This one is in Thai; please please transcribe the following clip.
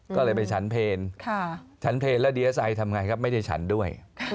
ก็เลยไปฉันเพลงฉันเพลงแล้วดีเอสไอทำไงครับไม่ได้ฉันด้วย